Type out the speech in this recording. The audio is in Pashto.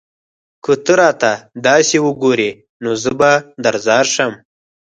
که ته راته داسې وگورې؛ نو زه به درځار شم